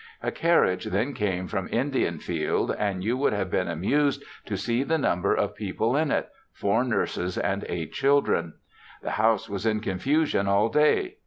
A carriage then came from Indianfield, and you would have been amused to see the number of people in it, four nurses and eight children. The house was in confusion all day.